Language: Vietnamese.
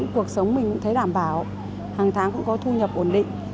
cuộc sống mình cũng thấy đảm bảo hàng tháng cũng có thu nhập ổn định